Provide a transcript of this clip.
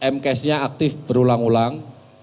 m cache nya aktif berulang ulang